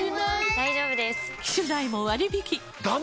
大丈夫です！